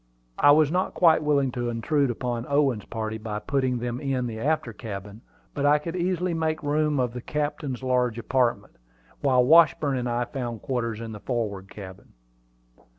I was not quite willing to intrude upon Owen's party by putting them in the after cabin; but I could easily make two rooms of the captain's large apartment, while Washburn and I found quarters in the forward cabin.